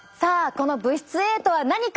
この物質Ａとは何か。